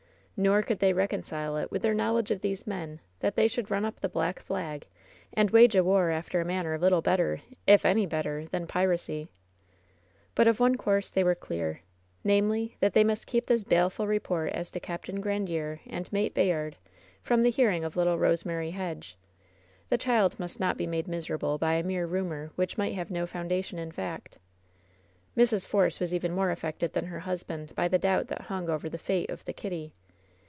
Nor could they reconcile it with their knowledge of these men that they should run up the black flag, and wage a war after a manner little better, if any better, than piracy. But of one course they were clear; namely, that they must keep this baleful report as to Capt. Grandiere and Mate Bayard from the hearing of little Rosemary Hedge. The child must not be made miserable by a mere rumor which might have no foundation in fact. Mrs. Force was even more affected than her husband by the doubt that hung over the fate of the Kitty.